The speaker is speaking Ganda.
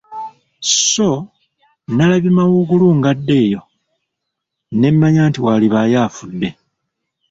Sso nnalabye mawuugulu ng'adda eyo, ne mmanya nti waalibaayo afudde.